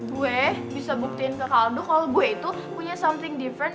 gue bisa buktiin ke kaldu kalau gue itu punya something different